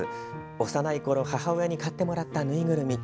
幼いころ、母親に買ってもらったぬいぐるみ。